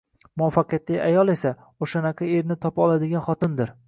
Muvaffaqiyatli ayol esa - o'shanaqa erni topa oladigan xotindir...